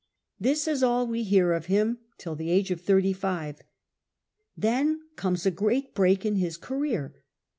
This is all we hear of him till the age of thirty five. Then comes a great break in his ca reer.